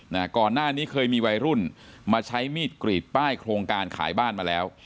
ก่อนหน้านี้เคยมีวัยรุ่นมาใช้มีดกรีดป้ายโครงการขายบ้านมาแล้ว